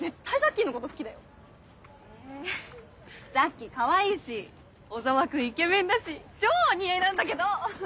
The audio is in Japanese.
ザッキーかわいいし小沢君イケメンだし超お似合いなんだけど！